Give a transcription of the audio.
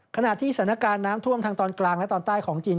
ขณะที่สถานการณ์น้ำท่วมทางตอนกลางและตอนใต้ของจีน